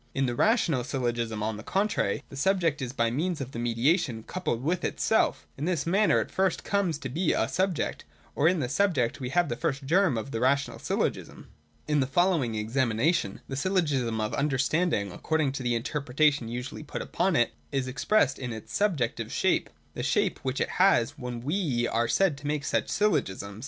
In the rational Syllogism, on the contrary, the subject is by means of the mediation coupled with itself. In this manner it first comes to be a subject : or, in the subject we have the first germ of the rational Syllogism. In the following examination, the Syllogism of Under standing, according to the interpretation usually put upon it, is expressed in its subjective shape ; the shape which it has when we are said to make such Syllogisms.